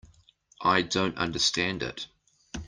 I don't understand it.